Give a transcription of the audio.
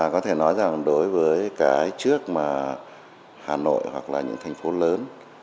có thể nói rằng đối với cái trước mà hà nội hoặc là những thành phố lớn